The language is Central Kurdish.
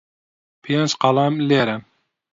پێنج قەڵەم لێرەن.